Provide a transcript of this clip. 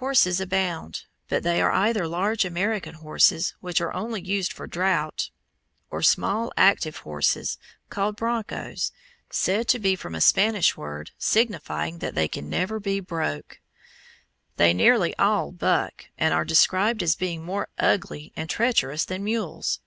Horses abound, but they are either large American horses, which are only used for draught, or small, active horses, called broncos, said to be from a Spanish word, signifying that they can never be broke. They nearly all "buck," and are described as being more "ugly" and treacherous than mules.